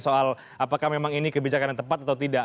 soal apakah memang ini kebijakan yang tepat atau tidak